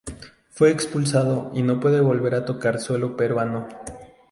Fue expulsado y no puede volver a tocar suelo peruano.